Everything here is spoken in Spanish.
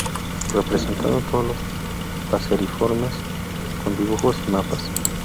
Representando todos los paseriformes con dibujos y mapas.